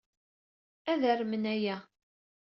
Ad armen aya.